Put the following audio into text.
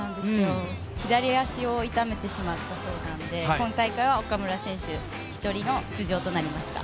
左足を痛めてしまったそうなので今大会は岡村選手１人の出場となりました。